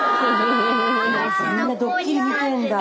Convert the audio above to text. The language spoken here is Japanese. やっぱみんな「ドッキリ」見てんだ。